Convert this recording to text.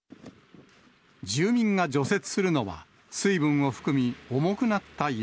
住民が除雪するのは、水分を含み、重くなった雪。